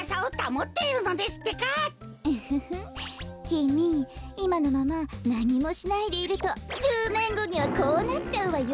きみいまのままなにもしないでいると１０ねんごにはこうなっちゃうわよ。